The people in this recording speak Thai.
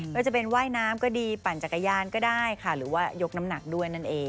ว่าจะเป็นว่ายน้ำก็ดีปั่นจักรยานก็ได้ค่ะหรือว่ายกน้ำหนักด้วยนั่นเอง